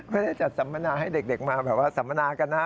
ไม่ได้จัดสัมมนาให้เด็กมาแบบว่าสัมมนากันนะ